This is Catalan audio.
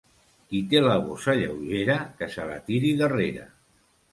Qui té la bossa lleugera, que se la tiri darrere.